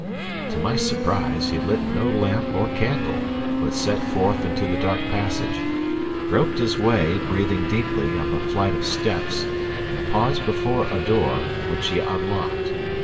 To my surprise, he lit no lamp or candle, but set forth into the dark passage, groped his way, breathing deeply, up a flight of steps, and paused before a door, which he unlocked.